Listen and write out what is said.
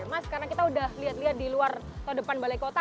mas karena kita udah lihat lihat di luar atau depan balai kota